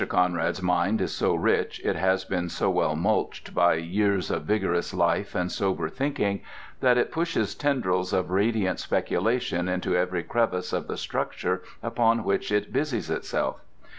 Conrad's mind is so rich, it has been so well mulched by years of vigorous life and sober thinking, that it pushes tendrils of radiant speculation into every crevice of the structure upon which it busies itself.